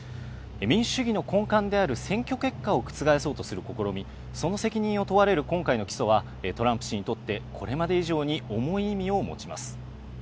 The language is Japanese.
民主主義の根幹である選挙結果を覆そうとする試み、その責任を問われる今回の起訴はトランプ氏にとって、これまで以上に重い意味を持ちます。